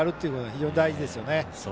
非常に大事ですね。